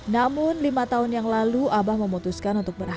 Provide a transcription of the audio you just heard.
namun lima tahun yang lalu abah memutuskan untuk berhasil